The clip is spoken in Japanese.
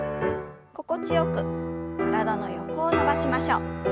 心地よく体の横を伸ばしましょう。